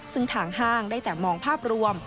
ซึ่งทางห้างได้แต่มองภาพรวม